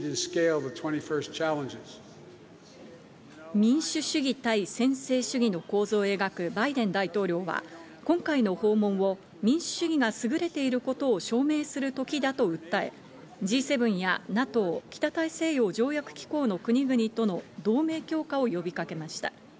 民主主義対専制主義の構図を描くバイデン大統領は今回の訪問を民主主義が優れていることを証明する時だと訴え、Ｇ７やＮＡＴＯ＝北大西洋条約機構の国々との同盟強化を呼びかけました。